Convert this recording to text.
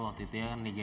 waktu itu ya kan liga